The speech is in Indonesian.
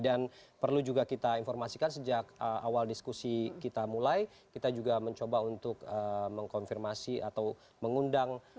dan perlu juga kita informasikan sejak awal diskusi kita mulai kita juga mencoba untuk mengkonfirmasi atau mengundang